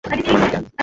আমার নাম ক্যাম।